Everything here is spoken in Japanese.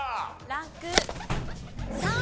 ランク３。